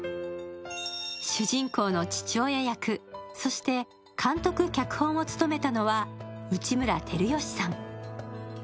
主人公の父親役、そして監督・脚本を務めたのは内村光良さん。